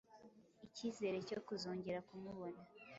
icyizere cyo kuzongera kumubona